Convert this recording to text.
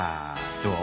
どう？